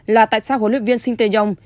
là tại sao hỗ luyện viên sinteyong